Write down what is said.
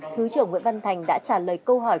thứ trưởng nguyễn văn thành đã trả lời câu hỏi